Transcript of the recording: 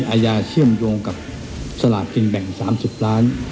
อาญาเชื่อมโยงกับสลากกินแบ่ง๓๐ล้าน